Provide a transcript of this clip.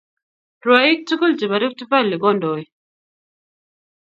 Rwaik tugul chebo Rift valley kondoie